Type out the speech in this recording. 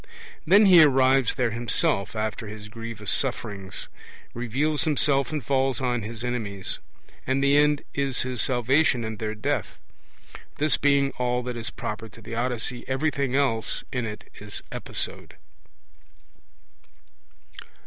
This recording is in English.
Then he arrives there himself after his grievous sufferings; reveals himself, and falls on his enemies; and the end is his salvation and their death. This being all that is proper to the Odyssey, everything else in it is episode.